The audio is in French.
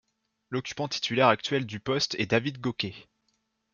L'occupant titulaire actuel du poste est David Gauke.